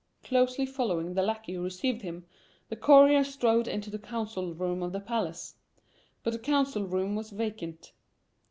Closely following the lackey who received him, the courier strode into the council room of the palace. But the council room was vacant.